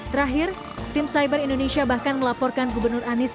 terakhir tim cyber indonesia bahkan melaporkan gubernur anies